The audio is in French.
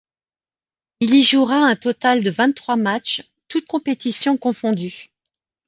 Il y jouera un total de vingt trois matches toutes compétitions confondues.